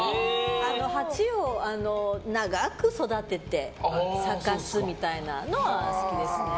鉢を長く育てて咲かすみたいなのはお好きですね。